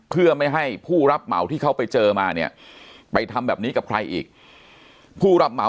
เพื่อไม่ให้ผู้รับเหมาที่เขาไปเจอมาเนี่ยไปทำแบบนี้กับใครอีกผู้รับเหมา